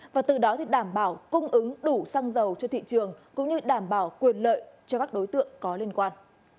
và từ đó đảm bảo cung ứng đủ xăng dầu cho thị trường cũng như đảm bảo quyền lợi cho các đối tượng có liên quan